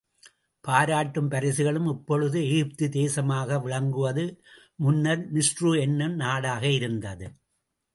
பாராட்டும் பரிசுகளும் இப்பொழுது எகிப்து தேசமாக விளங்குவது முன்னர் மிஸ்று என்னும் நாடாக இருந்தது.